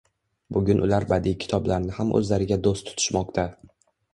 Bugun ular badiiy kitoblarni ham oʻzlariga doʻst tutishmoqda.